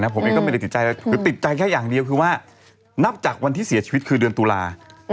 ผมเองก็ไม่ได้ติดใจคือติดใจแค่อย่างเดียวคือว่านับจากวันที่เสียชีวิตคือเดือนตุลา